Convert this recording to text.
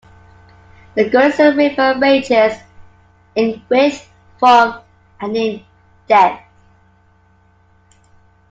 The Gunnison River ranges in width from and in depth.